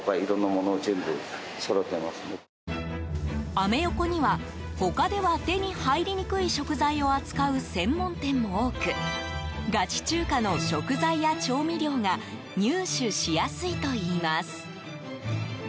アメ横には他では手に入りにくい食材を扱う専門店も多くガチ中華の食材や調味料が入手しやすいといいます。